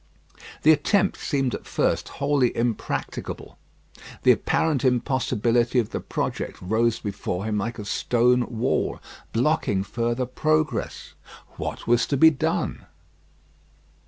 The attempt seemed at first sight wholly impracticable. The apparent impossibility of the project rose before him like a stone wall, blocking further progress. What was to be done?